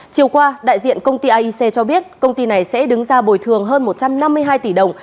chiều qua đại diện công ty iec cho biết công ty này sẽ đứng ra bồi thường hơn một trăm năm mươi hai tỷ đồng